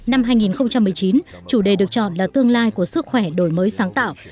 năm hai nghìn một mươi chín chủ đề được chọn là tương lai của sức khỏe đổi mới sáng tạo